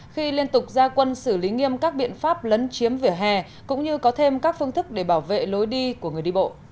khi liên tục ra quân xử lý nghiêm các biện pháp lấn chiếm vỉa hè cũng như có thêm các phương thức để bảo vệ lối đi của người đi bộ